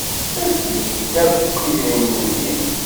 Efk-iyi-d akk idrimen-nni.